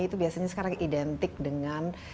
itu biasanya sekarang identik dengan